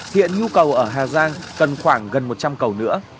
hiện nhu cầu ở hà giang cần khoảng gần một trăm linh cầu nữa